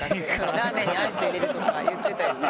ラーメンにアイス入れるとか言ってたよね。